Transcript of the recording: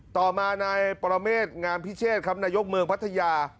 ต่อมานายปรเมษงามพิเชษครับนายกเมืองพัทยา